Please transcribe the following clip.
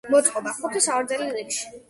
მოწყობა: ხუთი სავარძელი რიგში.